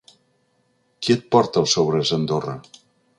Qui et porta els sobres a Andorra?